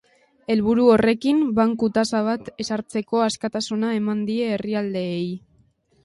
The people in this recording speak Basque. Helburu horrekin, banku tasa bat ezartzeko askatasuna eman die herrialdeei.